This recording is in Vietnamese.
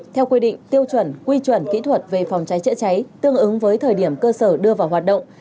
theo quy định tiêu chuẩn quy chuẩn kỹ thuật về phòng cháy chữa cháy tương ứng với thời điểm cơ sở đưa vào hoạt động